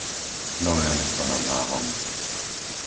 Nové Mesto nad Váhom